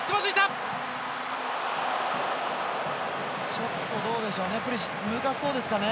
ちょっとどうでしょうね。